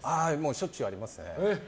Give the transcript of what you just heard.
しょっちゅうありますね。